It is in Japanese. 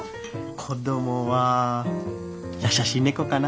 子供は「やさしい猫」かな。